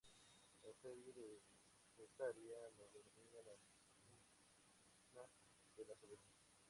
Eusebio de Cesarea lo denomina "la piscina de las ovejas".